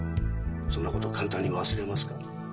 そんなことを簡単に忘れますか？